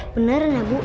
beneran ya bu